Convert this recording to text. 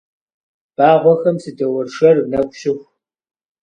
Вагъуэхэм садоуэршэр нэху щыху.